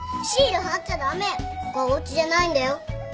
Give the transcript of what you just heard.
ここはおうちじゃないんだよ。